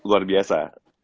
itu luar biasa